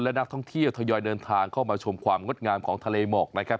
และนักท่องเที่ยวทยอยเดินทางเข้ามาชมความงดงามของทะเลหมอกนะครับ